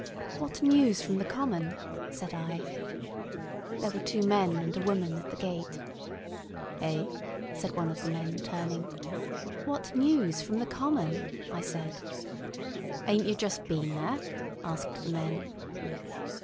"What news from the common?" said I. There were two men and a woman at the gate. "Eh?" said one of the men, turning. "What news from the common?" I said. "Ain't yer just been there?" asked the men.